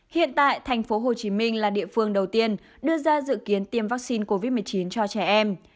hiện tại thành phố hồ chí minh là địa phương đầu tiên đưa ra dự kiến tiêm vaccine covid một mươi chín cho trẻ em